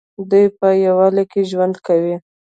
دوی په یووالي کې ژوند کوي.